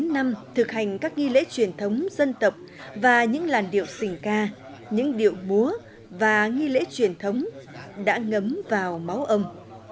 chín mươi năm thực hành các nghi lễ truyền thống dân tộc và những làn điệu sình ca những điệu múa và nghi lễ truyền thống đã ngấm vào máu ông